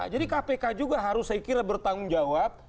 jadi kpk juga harus saya kira bertanggung jawab